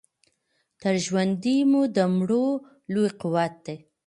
تر ژوندیو مو د مړو لوی قوت دی